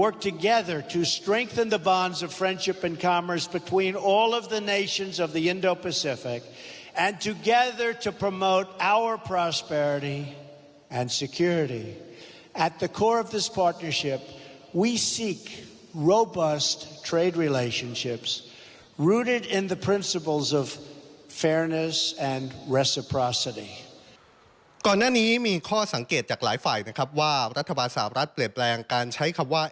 ก่อนหน้านี้มีข้อสังเกตจากหลายฝ่ายนะครับว่ารัฐบาลสาวรัฐเปลี่ยนแปลงการใช้คำว่า